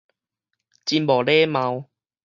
真無禮貌